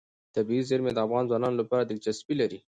طبیعي زیرمې د افغان ځوانانو لپاره دلچسپي لري.